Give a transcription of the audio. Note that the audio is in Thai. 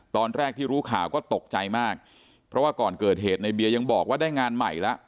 ตอนแรกที่รู้ข่าวก็ตกใจมากเพราะว่าก่อนเกิดเหตุในเบียยังบอกว่าได้งานใหม่แล้ว